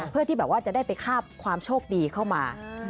เพื่อที่แบบว่าจะได้ไปคาบความโชคดีเข้ามา